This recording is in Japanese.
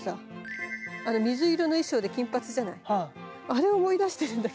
あれ思い出してるんだけど。